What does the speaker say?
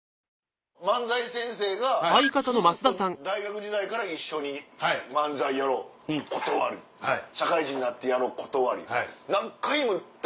漫才先生がずっと大学時代から「一緒に漫才やろう」断り社会人になって「やろう」断り何回も。